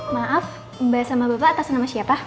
maaf mbak sama bapak atas nama siapa